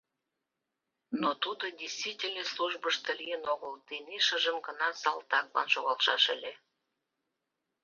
Но тудо действительный службышто лийын огыл, тений шыжым гына салтаклан шогалшаш ыле.